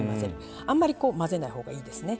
あんまり混ぜない方がいいですね。